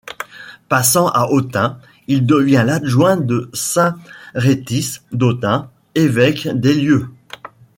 Passant à Autun, il devient l'adjoint de Saint Rhétice d'Autun, évêque des lieux.